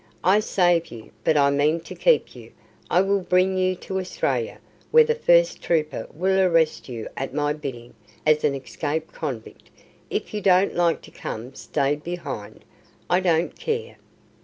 I save you, but I mean to keep you. I will bring you to Australia, where the first trooper will arrest you at my bidding as an escaped convict. If you don't like to come, stay behind. I don't care.